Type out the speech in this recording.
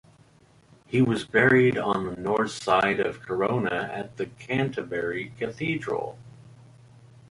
He was buried on the north side of the Corona at Canterbury Cathedral.